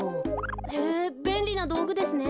へえべんりなどうぐですね。